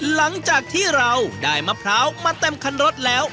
หลังจากที่เราได้มะพร้าวมาเต็มคันรถแล้ว